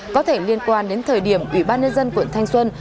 có thể liên quan đến thời điểm ủy ban nhân dân quận thanh xuân